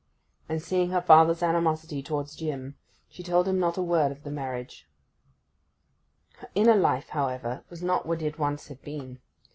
And seeing her father's animosity towards Jim, she told him not a word of the marriage. Her inner life, however, was not what it once had been.